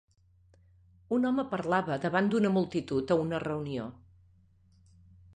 Un home parla davant d'una multitud a una reunió.